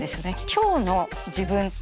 今日の自分。